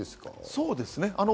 そうですね。